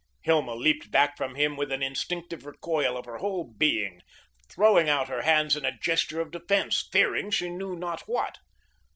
Hilma leaped back from him with an instinctive recoil of her whole being, throwing out her hands in a gesture of defence, fearing she knew not what.